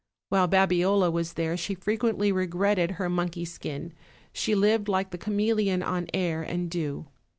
While Babiola was there she fre quently regretted her monkey skin; she lived like the chameleon on air and dew.